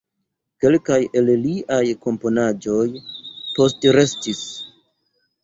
Kelkaj el liaj komponaĵoj postrestis.